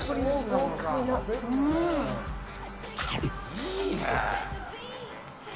いいね。